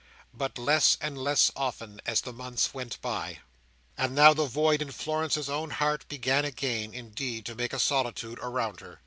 But less and less often as the months went on. And now the void in Florence's own heart began again, indeed, to make a solitude around her.